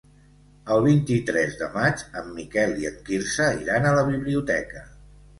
El vint-i-tres de maig en Miquel i en Quirze iran a la biblioteca.